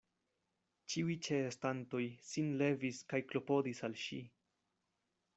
Ĉiuj ĉeestantoj sin levis kaj klopodis al ŝi.